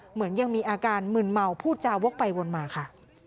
เหมือนยังมีอาการมึนเมาพูดจาวกไปวนมาค่ะ